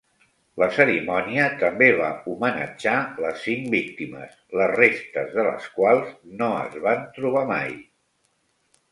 La cerimònia també va homenatjar les cinc víctimes les restes de les quals no es van trobar mai.